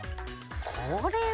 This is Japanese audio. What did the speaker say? これは。